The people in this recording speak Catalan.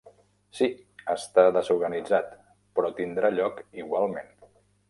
Sí, està desorganitzat però tindrà lloc igualment.